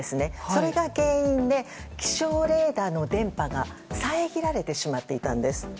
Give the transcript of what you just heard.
それが原因で気象レーダーの電波が遮られてしまっていたんです。